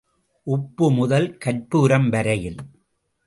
உப்பு முதல் கர்ப்பூரம் வரையில்.